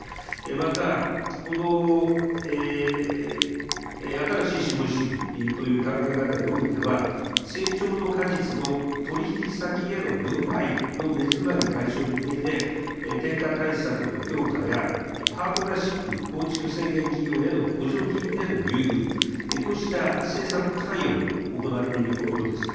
また、この新しい資本主義という考え方においては、成長の果実の取り引き先への分配の目詰まり解消に向けて、転嫁対策の強化や、パートナーシップ構築宣言企業への補助金での優遇、こうした政策関与も行っているところです。